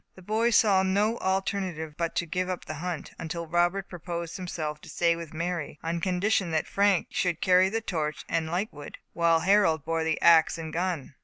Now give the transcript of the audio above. The boys saw no alternative but to give up the hunt, until Robert proposed himself to stay with Mary, on condition that Frank should carry the torch and light wood, while Harold bore the ax and gun.